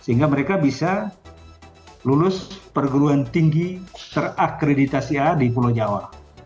sehingga mereka bisa lulus perguruan tinggi terakreditasi a di pulau jawa